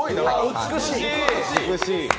美しい！